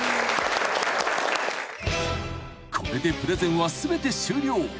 ［これでプレゼンは全て終了］